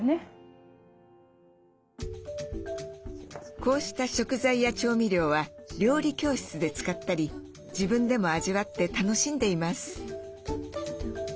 こうした食材や調味料は料理教室で使ったり自分でも味わって楽しんでいます。